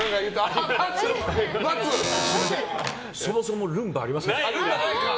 そもそもルンバありません。